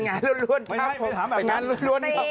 งานรวดครับงานรวดครับ